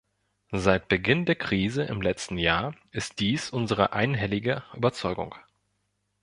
Seit Beginn der Krise im letzten Jahr ist dies unsere einhellige Überzeugung.